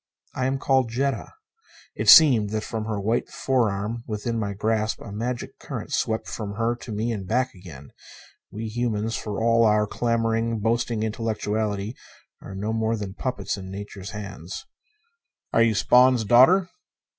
"I am called Jetta." It seemed that from her white forearm within my grasp a magic current swept from her to me and back again. We humans, for all our clamoring, boasting intellectuality, are no more than puppets in Nature's hands. "Are you Spawn's daughter?"